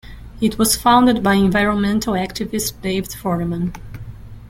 It was founded by environmental activist Dave Foreman.